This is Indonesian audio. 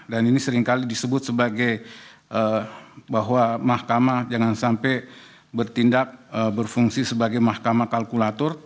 dan ini seringkali disebut sebagai bahwa mahkamah jangan sampai bertindak berfungsi sebagai mahkamah kalkulator